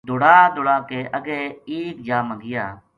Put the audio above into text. دوڑا دوڑا کے اگے ایک جا ما گیا